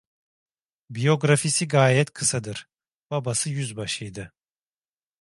Biyografisi gayet kısadır: Babası yüzbaşıydı.